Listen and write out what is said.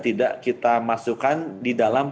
tidak kita masukkan di dalam